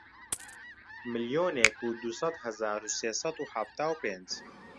ملیۆنێک و دوو سەد هەزار و سێ سەد و حەفتا و پێنج